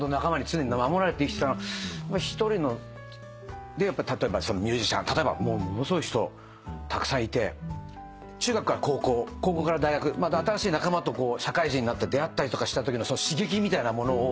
常に守られて生きて一人で例えばミュージシャンものすごい人たくさんいて中学から高校高校から大学新しい仲間と社会人になって出会ったりとかしたときの刺激みたいなものを。